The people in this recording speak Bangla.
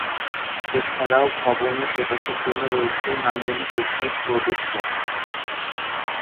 এছাড়াও ভবনে প্রবেশের জন্য রয়েছে নান্দনিক একটি প্রবেশপথ।